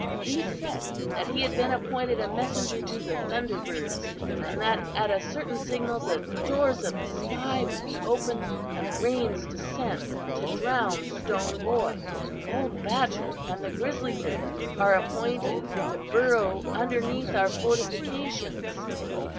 He said that he had been appointed a messenger to the Thunder Birds, and that at a certain signal the doors of the sky would be opened and rains descend to drown Stone Boy. Old Badger and the Grizzly Bear are appointed to burrow underneath our fortifications.